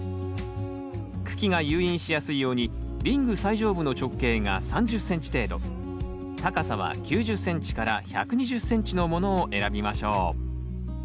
茎が誘引しやすいようにリング最上部の直径が３０ｃｍ程度高さは９０ｃｍから１２０ｃｍのものを選びましょう。